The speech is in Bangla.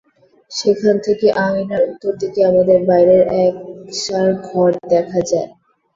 সেইখান থেকে আঙিনার উত্তর দিকে আমাদের বাইরের এক-সার ঘর দেখা যায়।